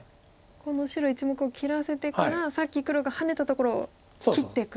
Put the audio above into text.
この白１目を切らせてからさっき黒がハネたところを切っていくと。